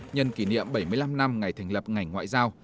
nhân kỷ niệm bảy mươi năm năm ngày thành lập ngành ngoại giao